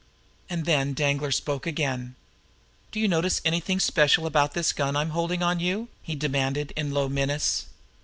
And then Danglar spoke again. "Do you notice anything special about this gun I'm holding on you?" he demanded, in low menace.